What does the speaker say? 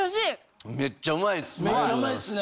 めっちゃうまいっす。